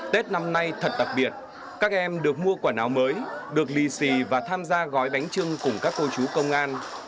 tết năm nay thật đặc biệt các em được mua quần áo mới được lì xì và tham gia gói bánh trưng cùng các cô chú công an